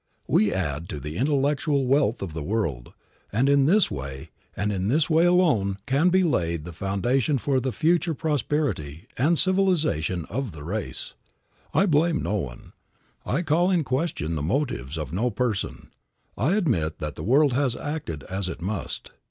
We add to the intellectual wealth of the world, and in this way, and in this way alone, can be laid the foundation for the future prosperity and civilization of the race. I blame no one; I call in question the motives of no person; I admit that the world has acted as it must.